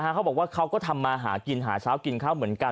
เขาบอกว่าเขาก็ทำมาหากินเขากินค้าเหมือนกัน